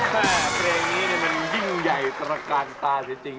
แม่เพลงนี้มันยิ่งใหญ่ตระการตาจริง